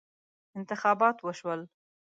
انتخابات وشول.